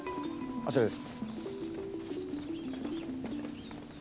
あちらです。